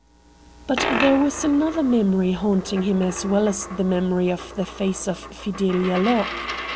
But there was another memory haunting him as well as the memory of the face of Fidelia Locke.